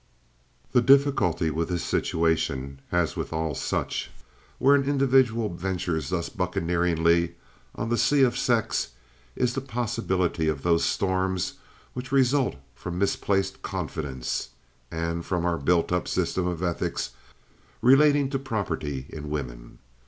The difficulty with this situation, as with all such where an individual ventures thus bucaneeringly on the sea of sex, is the possibility of those storms which result from misplaced confidence, and from our built up system of ethics relating to property in women.